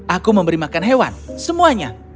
aku memberi makan hewan semuanya